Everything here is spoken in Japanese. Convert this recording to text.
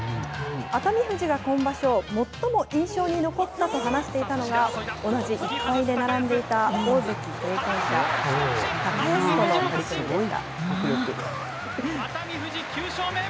熱海富士が今場所、最も印象に残ったと話していたのが、同じ１敗で並んでいた、大関経験者、高安との取組です。